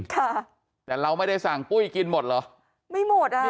ค่ะแต่เราไม่ได้สั่งปุ้ยกินหมดเหรอไม่หมดอ่ะ